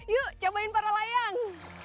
yuk cobain para layang